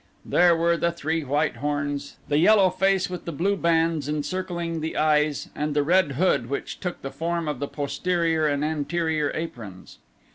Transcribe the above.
There were the three white horns, the yellow face with the blue bands encircling the eyes and the red hood which took the form of the posterior and anterior aprons.